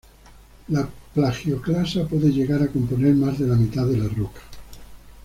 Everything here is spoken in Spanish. La plagioclasa puede llegar a componer más de la mitad de la roca.